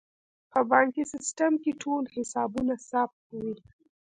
په بانکي سیستم کې ټول حسابونه ثبت وي.